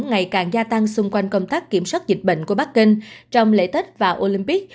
ngày càng gia tăng xung quanh công tác kiểm soát dịch bệnh của bắc kinh trong lễ tết và olympic